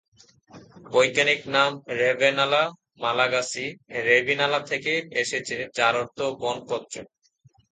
বৈজ্ঞানিক নাম "Ravenala" Malagasy "রেভিনালা" থেকে এসেছে যার অর্থ "বনপত্র"।